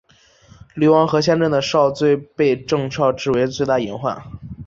流亡河仙镇的昭最被郑昭视为最大隐患。